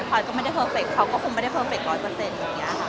พอยก็ไม่ได้เพอร์เฟคเขาก็คงไม่ได้เพอร์เฟค๑๐๐อย่างนี้ค่ะ